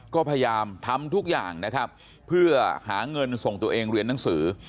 ก็พยายามทำทุกอย่างนะครับเพื่อหาเงินส่งตัวเองเรียนหนังสือ